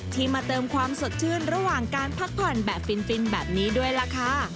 มาเติมความสดชื่นระหว่างการพักผ่อนแบบฟินแบบนี้ด้วยล่ะค่ะ